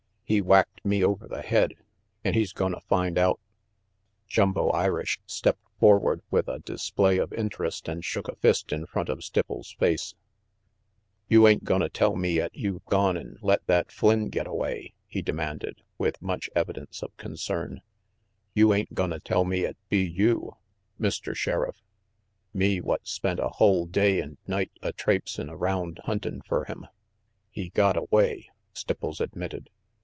"He whacked me over the head, an' he's gonna find out Jumbo Irish stepped forward with a display of interest and shook a fist in front of Stipples' face. "You ain't gonna tell me 'at you've gone an* let that Flynn get away?" he demanded, with much evidence of concern. "You ain't gonna tell me 'at, be you, Mr. Sheriff, me what spent a hull day and night a traipsin' around huntin' fer him "He got away," Stipples admitted.